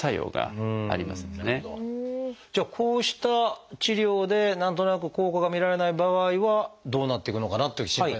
じゃあこうした治療で何となく効果が見られない場合はどうなっていくのかなっていう心配がありますが。